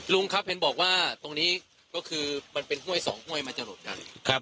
ลุงครับเห็นบอกว่าตรงนี้ก็คือมันเป็นห้วยสองห้วยมันจะหลบกัน